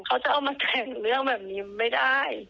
เขาจะเอามาแต่งเรื่องแบบนี้ไม่ได้